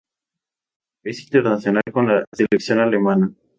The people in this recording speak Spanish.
Es internacional con la selección alemana.